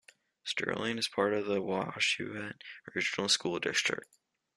Sterling is part of the Wachusett Regional School District.